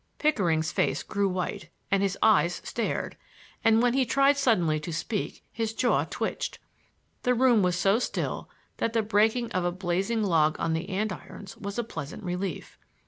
Pickering's face grew white and his eyes stared, and when he tried suddenly to speak his jaw twitched. The room was so still that the breaking of a blazing log on the andirons was a pleasant relief.